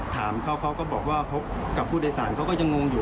ถามเขาเขาก็บอกว่าพบกับผู้โดยสารเขาก็ยังงงอยู่